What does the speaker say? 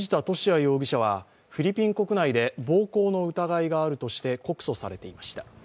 容疑者は、フィリピン国内で暴行の疑いがあるとして告訴されていました。